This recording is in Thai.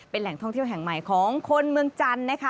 เป็นแหล่งท่องเที่ยวแห่งใหม่ของคนเมืองจันทร์นะคะ